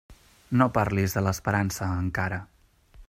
No parlis de l'esperança, encara.